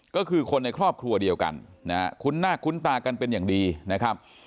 ก็คือคนในครอบครัวเดียวกันนะฮะคุ้นหน้าคุ้นตากันเป็นอย่างดีนะครับ